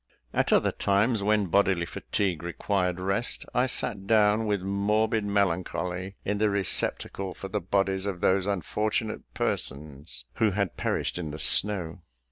At other times, when bodily fatigue required rest, I sat down, with morbid melancholy, in the receptacle for the bodies of those unfortunate persons who had perished in the snow.